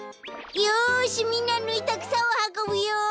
よしみんなぬいたくさをはこぶよ！